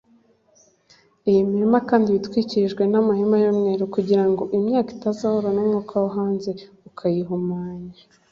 Iyi mirima kandi iba itwikirijwe n’amahema y’umweru kugira ngo imyaka itazahura n’umwuka wo hanze ukayihumanya